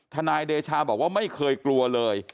นายเดชาบอกว่าไม่เคยกลัวเลย